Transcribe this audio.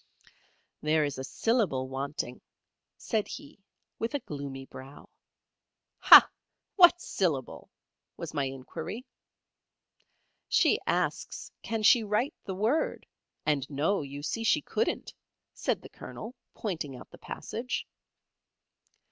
"There is a syllable wanting," said he, with a gloomy brow. "Hah! What syllable?" was my inquiry. "She asks, Can she write the word? And no; you see she couldn't," said the Colonel, pointing out the passage.